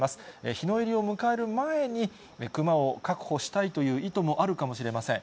日の入りを迎える前に、クマを確保したいという意図もあるかもしれません。